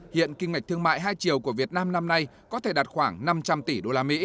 hiện kinh mệch thương mại hai triều của việt nam năm nay có thể đạt khoảng năm trăm linh tỷ usd